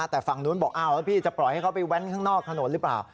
แต่ฝั่งนู้นบอกอ้าวแล้วพี่จะปล่อยให้เขาไปแว้นข้างนอกถนนหรือเปล่า